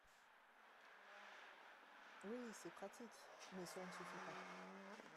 Oui, c’est pratique, mais cela ne suffit pas.